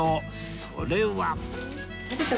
それは